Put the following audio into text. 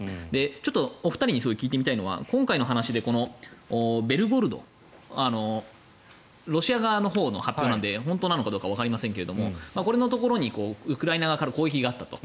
ちょっとお二人に聞いてみたいのは今回の話で、ベルゴロドロシア側のほうの発表なので本当なのかどうかわかりませんがここにウクライナ側から攻撃があったと。